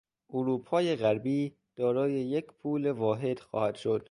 اروپای غربی دارای یک پول واحد خواهد شد.